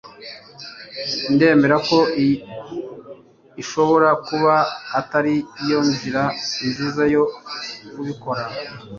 Ndemera ko iyi ishobora kuba atari yo nzira nziza yo kubikora